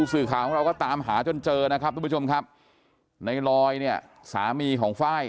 ถือมีดไปไล่ฟันเข้าบนถนนแบบนี้ไม่ได้